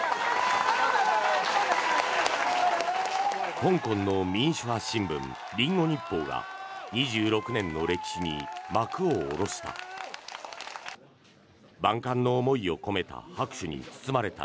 香港の民主派新聞リンゴ日報が２６年の歴史に幕を下ろした。